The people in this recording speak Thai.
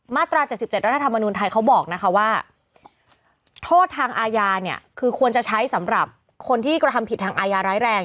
ตรา๗๗รัฐธรรมนุนไทยเขาบอกนะคะว่าโทษทางอาญาเนี่ยคือควรจะใช้สำหรับคนที่กระทำผิดทางอายาร้ายแรง